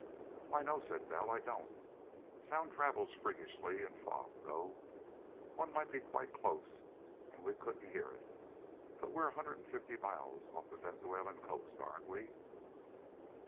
"Why, no," said Bell. "I don't. Sound travels freakishly in fog, though. One might be quite close and we couldn't hear it. But we're a hundred and fifty miles off the Venezuelan coast, aren't we?"